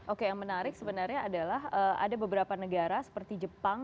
oke yang menarik sebenarnya adalah ada beberapa negara seperti jepang